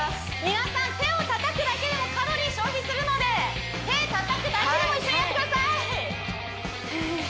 皆さん手をたたくだけでもカロリー消費するので手たたくだけでも一緒にやってください